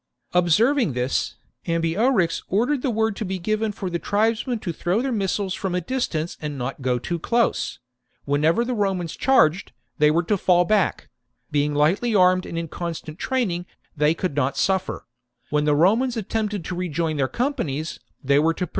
Observing this, Ambiorix ordered the word to be given for the tribesmen to throw their missiles from a distance and not go too close ; wherever the Romans charged, they were to fall back : being lightly armed and in constant training, they could not suffer ; when the Romans attempted to rejoin their companies, they were to pursue.